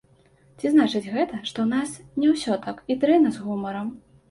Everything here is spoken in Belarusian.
Ці значыць гэта, што ў нас не ўсё так і дрэнна з гумарам?